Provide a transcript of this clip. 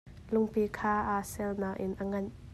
Lungpi kha aa sel nain a nganh.